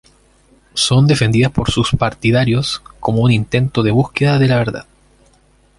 Son defendidas por sus partidarios como un intento de búsqueda de la verdad.